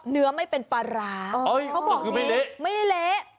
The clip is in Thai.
เนื้อไม่เป็นปลาร้าเขาบอกเนี่ยไม่เละ